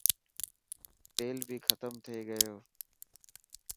تيل بي ختم ٿي گيو.